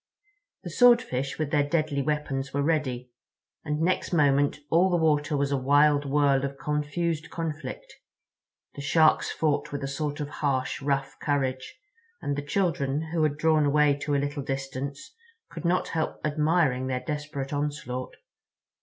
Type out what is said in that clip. The Swordfish with their deadly weapons were ready—and next moment all the water was a wild whirl of confused conflict. The Sharks fought with a sort of harsh, rough courage, and the children, who had drawn away to a little distance, could not help admiring their desperate onslaught.